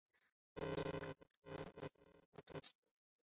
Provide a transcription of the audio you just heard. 人员名单和歌词背后是高光泽度纸质的生写真。